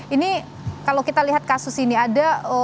ini kalau kita lihat kasus sejarah itu anda pernah menjadikan kabar reskrim